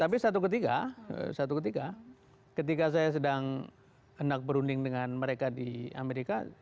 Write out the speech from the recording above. tapi satu ketika satu ketika ketika saya sedang hendak berunding dengan mereka di amerika